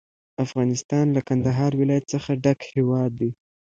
افغانستان له کندهار ولایت څخه ډک هیواد دی.